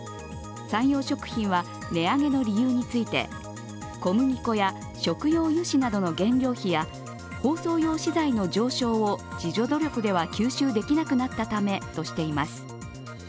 サンヨー食品は値上げの理由について小麦粉や食用油脂などの原料費や包装用資材の上昇を自助努力では吸収できなくなったためとしています。